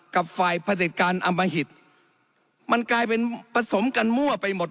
กับฝ่ายผลิตการอมหิตมันกลายเป็นผสมกันมั่วไปหมด